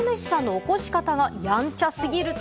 起こし方がやんちゃ過ぎる柴犬。